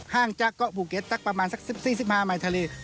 ห้างจากเกาะภูเก็ตตั้งประมาณสักสิบสี่สิบห้าไม่ทะเล